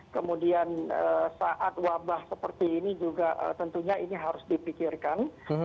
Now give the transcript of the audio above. kemudian saat wabah seperti ini juga tentunya ini harus dipikirkan